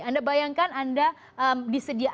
anda bayangkan anda disediakan